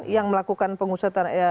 yang melakukan pengusutan